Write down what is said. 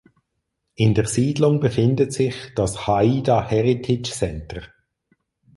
In der Siedlung befindet sich das „Haida Heritage Centre“.